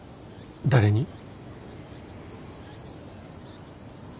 誰に？